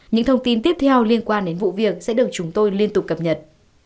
những thông tin tiếp theo liên quan đến vụ việc sẽ được chúng tôi liên tục cập nhật